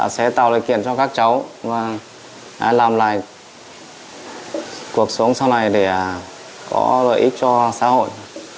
sẽ tạo lợi kiện cho các cháu và làm lại cuộc sống sau này để có lợi ích cho xã hội